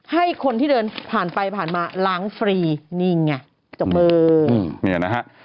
ให้คนที่เดินผ่านไปผ่านมาล้างฟรีนี่ไงจบมือเนี่ยนะฮะ